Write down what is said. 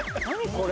これ。